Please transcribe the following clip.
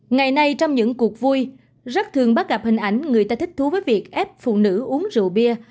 ngày nay trong những cuộc vui rất thường bắt gặp hình ảnh người ta thích thú với việc ép phụ nữ uống rượu bia